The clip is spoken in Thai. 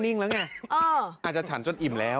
่งแล้วไงอาจจะฉันจนอิ่มแล้ว